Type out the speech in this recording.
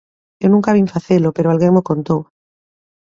Eu nunca vin facelo, pero alguén mo contou.